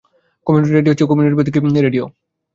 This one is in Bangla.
কমিউনিটি রেডিও হচ্ছে কমিউনিটিভিত্তিক রেডিও।